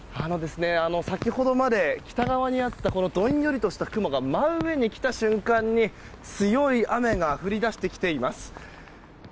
先ほどまで北側にあったどんよりとした雲が真上に来た瞬間に強い雨が降り出してきています。